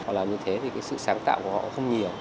họ làm như thế thì cái sự sáng tạo của họ không nhiều